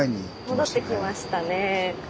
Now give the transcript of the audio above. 戻ってきましたね。